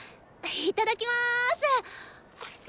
いただきます。